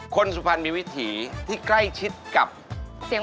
สุพรรณมีวิถีที่ใกล้ชิดกับเสียง